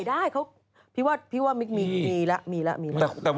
ได้พี่ว่ามิ๊กส์มีแล้วมีแล้วมีแล้ว